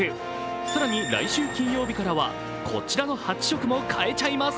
更に来週金曜日からはこちらの８色も買えちゃいます。